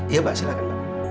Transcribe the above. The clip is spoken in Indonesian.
iya pak silahkan